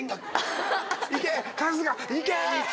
春日いけ！